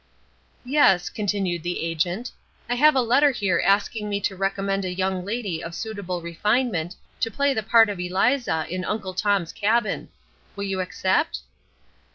"Yes," continued the agent, "I have a letter here asking me to recommend a young lady of suitable refinement to play the part of Eliza in Uncle Tom's Cabin. Will you accept?"